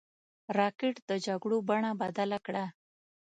راکټ د جګړو بڼه بدله کړه